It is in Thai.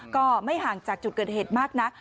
ก็ไม่ห่างจากจุดเกิดเหตุมากนัก